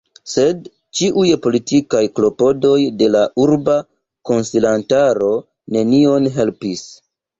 Sed ĉiuj politikaj klopodoj de la urba konsilantaro nenion helpis.